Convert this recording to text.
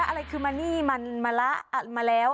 อะไรคือมานี่มันมาละมาแล้ว